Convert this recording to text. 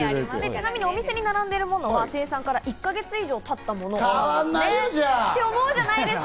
ちなみにお店に並んでいるものは生産から１か月以上たったものだそうです。